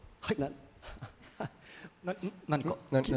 何か？